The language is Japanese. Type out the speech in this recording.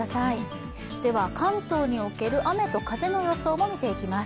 関東における雨と風の予想も見ていきます。